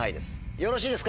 よろしいですか？